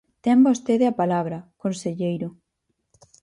Ten vostede a palabra, conselleiro.